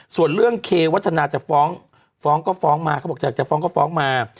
ส่วนเรื่องเควัฒนาจะฟ้องฟ้องก็ฟ้องมาเขาบอกอยากจะฟ้องก็ฟ้องมา